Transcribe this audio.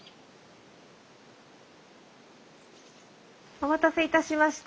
お待たせいたしました。